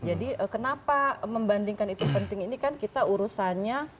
jadi kenapa membandingkan itu penting ini kan kita urusannya